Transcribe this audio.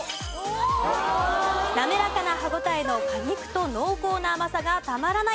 滑らかな歯応えの果肉と濃厚な甘さがたまらない